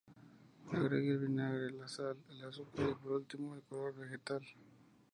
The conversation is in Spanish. Agregue el vinagre, la sal, el azúcar y por último el color vegetal.